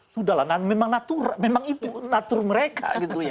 sudahlah memang itu natur mereka